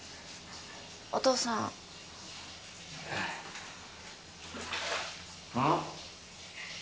お父さんうん？